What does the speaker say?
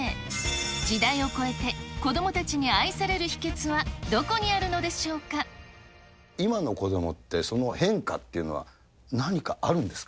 時代を超えて、子どもたちに愛される秘けつはどこにあるのでしょ今の子どもって、その変化というのは、何かあるんですか。